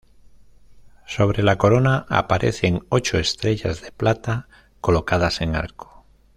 Sobre la corona aparecen ocho estrellas de plata colocadas en arco.